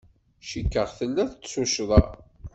Cikkeɣ tella-d tuccḍa.